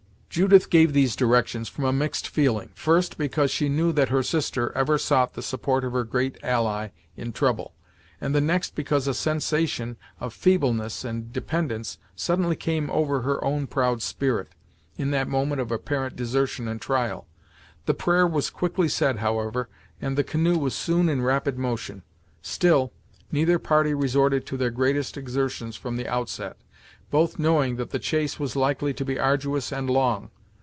Judith gave these directions from a mixed feeling; first because she knew that her sister ever sought the support of her great ally in trouble, and next because a sensation of feebleness and dependance suddenly came over her own proud spirit, in that moment of apparent desertion and trial. The prayer was quickly said, however, and the canoe was soon in rapid motion. Still, neither party resorted to their greatest exertions from the outset, both knowing that the chase was likely to be arduous and long.